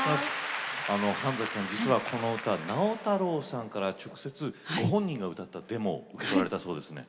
半さん実はこの歌直太朗さんから直接ご本人が歌ったデモを受け取られたそうですね。